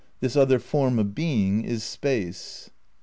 ... This other form of being is Space."